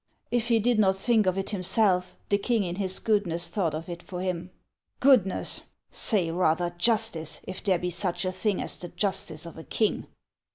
" If he did not think of it himself, the king in his goodness thought of it for him." "Goodness? Say, rather, justice, if there be such a thing as the justice of a king